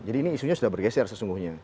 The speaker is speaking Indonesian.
jadi ini isunya sudah bergeser sesungguhnya